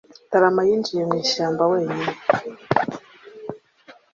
Tarama yinjiye mu ishyamba wenyine.